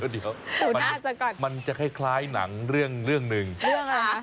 เดี๋ยวน่ะมันจะคล้ายหนังเรื่องหนึ่งเรื่องอะไรล่ะ